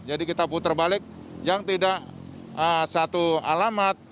jadi kita putar balik yang tidak satu alamat